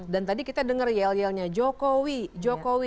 dan tadi kita dengar yel yelnya jokowi jokowi